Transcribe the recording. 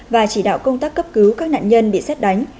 và chỉ đạo công tác cấp cứu các nạn nhân bị xét đánh